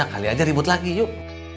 lima kali aja ribut lagi yuk